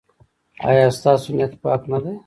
ایا ستاسو نیت پاک نه دی؟